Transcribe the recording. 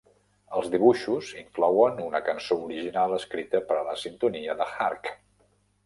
Els dibuixos inclouen una cançó original escrita per a la sintonia de Hark!